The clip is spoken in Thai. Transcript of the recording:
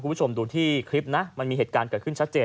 คุณผู้ชมดูที่คลิปนะมันมีเหตุการณ์เกิดขึ้นชัดเจน